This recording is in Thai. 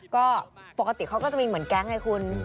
ก็ปกติเขาก็จะมีเหมือนแก๊งไงคุณ